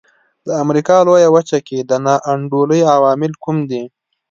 د امریکا لویه وچه کې د نا انډولۍ عوامل کوم دي.